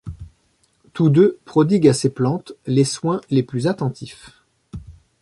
Tous deux prodiguent à ces plantes les soins les plus attentifs.